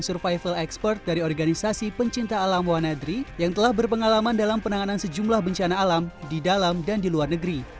saya menemui asep serpa seorang survival expert dari organisasi pencinta alam wanedri yang telah berpengalaman dalam penanganan sejumlah bencana alam di dalam dan di luar negeri